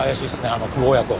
あの久保親子。